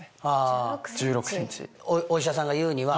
お医者さんが言うには？